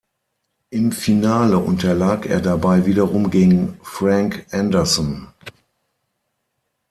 Im Finale unterlag er dabei wiederum gegen Frank Andersson.